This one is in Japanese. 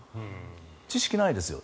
知識ないですよ。